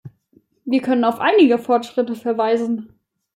Wir können auf einige Fortschritte verweisen.